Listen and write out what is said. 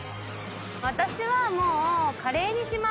私はもうカレーにします。